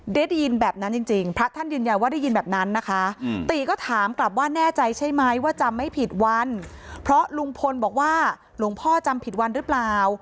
ได้ยินแบบนั้นจริงพระท่านยืนยันว่าได้ยินแบบนั้นนะคะตีก็ถามกลับว่าแน่ใจใช่ไหมว่าจำไม่ผิดวันเพราะลุงพลบอกว่าหลวงพ่อจำผิดวันหรือเปล่า